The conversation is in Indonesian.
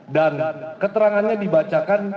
dan keterangannya dibacakan